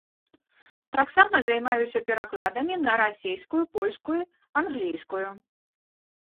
Таксама займаюся перакладамі на расійскую, польскую, англійскую.